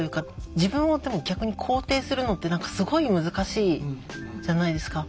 自分をでも逆に肯定するのってすごい難しいじゃないですか。